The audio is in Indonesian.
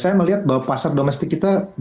saya melihat bahwa pasar domestik kita